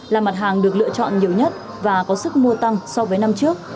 là mặt hàng được lựa chọn nhiều nhất và có sức mua tăng so với năm trước